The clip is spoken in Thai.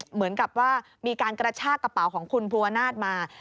เหมือนกับว่ามีการกระชากระเป๋าของคุณภูวนาศมา